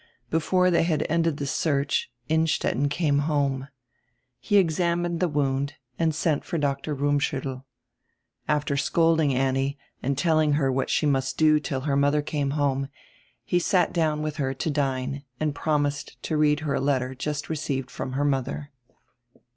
Before they had ended the search Innstetten came home. He examined the wound and sent for Dr. Rummschuttel. After scolding Annie and telling her what she must do till her mother came home, he sat down with her to dine and promised to read her a letter just received from her mother.